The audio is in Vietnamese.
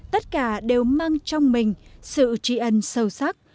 tất cả đều mang trong mình sự trí ân sâu sắc